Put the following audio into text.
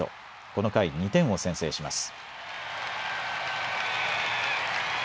この回、２点を先制します。